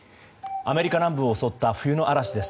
アメリカ南部を襲った冬の嵐です。